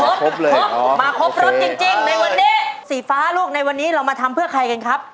ครบครบเลยครบมาครบรสจริงในวันนี้สีฟ้าลูกในวันนี้เรามาทำเพื่อใครกันครับ